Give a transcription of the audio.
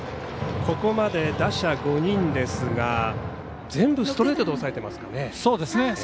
ここまで、打者５人ですが全部ストレートで抑えてますね。